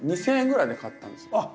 ２，０００円ぐらいで買ったんですよ。